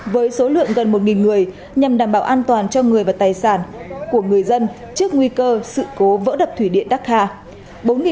với số lượng gần một người nhằm đảm bảo an toàn cho người và tài sản của người dân trước nguy cơ sự cố vỡ đập thủy điện đắc hà